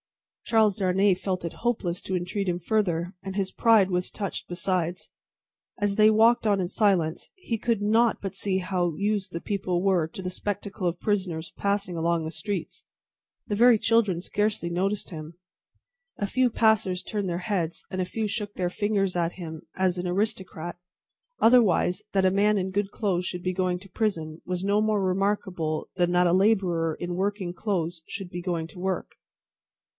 Charles Darnay felt it hopeless to entreat him further, and his pride was touched besides. As they walked on in silence, he could not but see how used the people were to the spectacle of prisoners passing along the streets. The very children scarcely noticed him. A few passers turned their heads, and a few shook their fingers at him as an aristocrat; otherwise, that a man in good clothes should be going to prison, was no more remarkable than that a labourer in working clothes should be going to work.